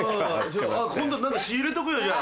今度仕入れとくよじゃあ。